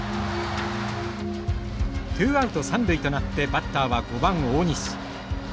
ツーアウト三塁となってバッターは５番大西。